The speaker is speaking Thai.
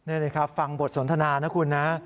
นี่นะครับฟังบทสนทนานะคุณนะ